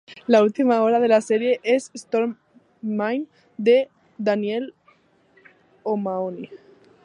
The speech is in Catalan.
La última obra de la sèrie és "Storm Mine" de Daniel O'Mahony.